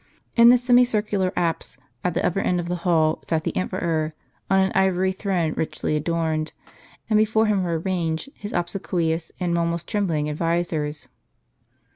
In the semicircular apse at the upper end of the hall, sat the emperor, on an ivory throne richly adorned, and before him were arranged his obsequious and almost trembling adviseis.